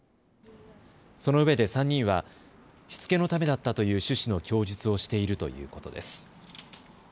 そのうえで３人はしつけのためだったという趣旨の供述をしているということです。